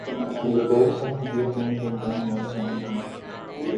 زرداری صاحب نے کیا تو ان کا انجام ہمارے سامنے ہے۔